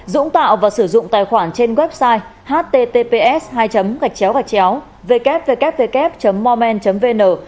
dũng tạo và sử dụng tài khoản trên website http www mormen vn